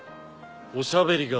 おしゃべりが多い。